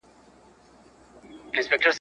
د خاوند قواميت مکلفيت دی.